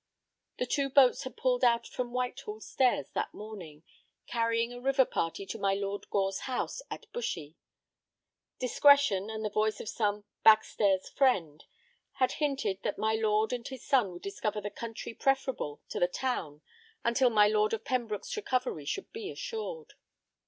The two boats had pulled out from Whitehall stairs that morning, carrying a river party to my Lord Gore's house at Bushy. Discretion and the voice of some "back stairs friend" had hinted that my lord and his son would discover the country preferable to the town until my Lord of Pembroke's recovery should be assured.